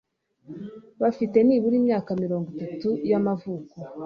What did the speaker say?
Bafite nibura imyaka mirongo itatu y amavuko